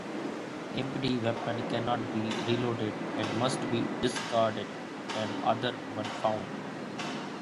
Empty weapons cannot be reloaded, and must be discarded and another one found.